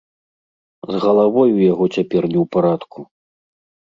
З галавой у яго цяпер не ў парадку.